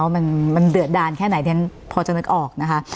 มันเดือดดานแค่ไหนเดี๋ยวพอจะนึกออกนะคะ